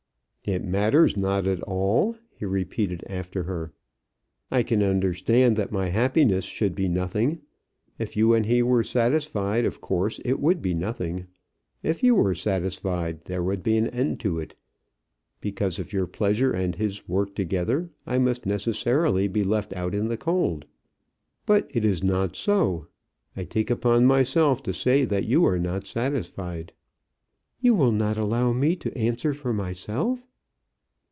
"It matters not at all?" he repeated after her. "I can understand that my happiness should be nothing. If you and he were satisfied, of course it would be nothing. If you were satisfied, there would be an end to it; because if your pleasure and his work together, I must necessarily be left out in the cold. But it is not so. I take upon myself to say that you are not satisfied." "You will not allow me to answer for myself?"